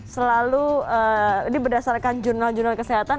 selalu ini berdasarkan jurnal jurnal kesehatan